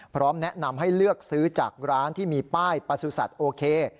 พร้อมแนะนำให้เลือกซื้อจากร้านที่มีป้ายประสุทธิ์โอเค